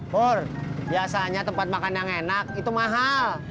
hur biasanya tempat makan yang enak itu mahal